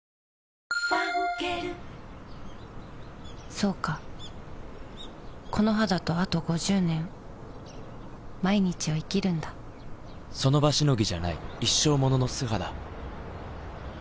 そうかこの肌とあと５０年その場しのぎじゃない一生ものの素肌